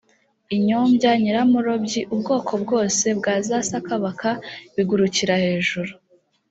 inyombya, nyiramurobyi, ubwoko bwose bwa za sakabaka bigurikira hejuru